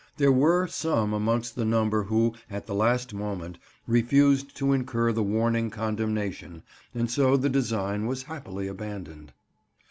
There were some amongst the number who, at the last moment, refused to incur the warning condemnation and so the design was happily abandoned."